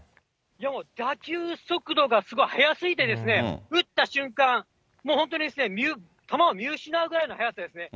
打球速度がすごい速すぎて、打った瞬間、もう本当に球を見失うぐらいの速さですね。